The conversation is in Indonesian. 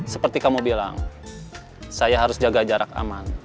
seperti kamu bilang saya harus jaga jarak aman